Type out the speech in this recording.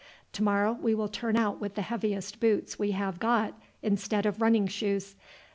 To morrow we will turn out with the heaviest boots we have got instead of running shoes.